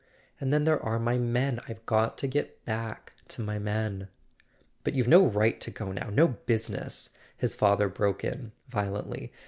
And then there are my men—I've got to get back to my men." "But you've no right to go now; no business," his father broke in violently.